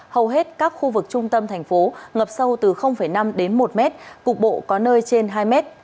hầu hết các khu vực trung tâm thành phố ngập sâu từ năm đến một m cục bộ có nơi trên hai m